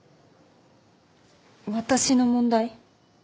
私の問題？